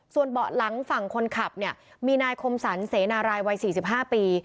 ส่วนเบาะหลังฝั่งคนขับเนี่ยมีนายคมสรรเสนารายวัย๔๕ปี